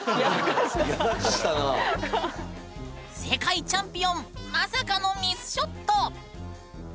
世界チャンピオンまさかのミスショット。